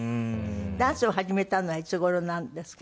ダンスを始めたのはいつ頃なんですか？